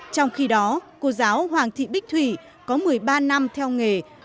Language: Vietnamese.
trong khi đó cô giáo hoàng thị bích thủy có một mươi ba năm theo nghề